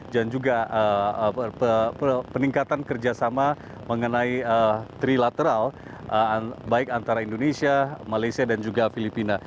dan juga peningkatan kerjasama mengenai trilateral baik antara indonesia malaysia dan juga filipina